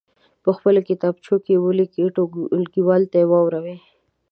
په خپلو کتابچو کې یې ولیکئ ټولګیوالو ته واوروئ.